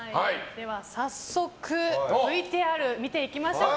早速、ＶＴＲを見ていきましょうか。